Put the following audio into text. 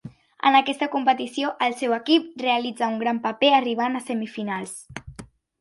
En aquesta competició el seu equip realitzà un gran paper arribant a semifinals.